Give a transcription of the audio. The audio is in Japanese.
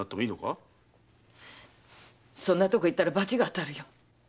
そんな所に行ったら罰が当たるよ。